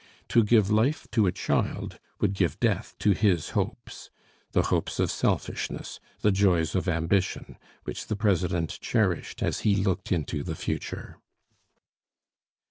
To give life to a child would give death to his hopes, the hopes of selfishness, the joys of ambition, which the president cherished as he looked into the future.